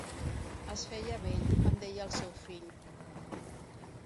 Es feia vell, em deia el seu fill.